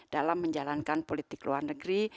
dalam menjalankan politik luar negeri